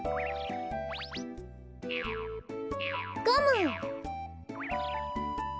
ゴム！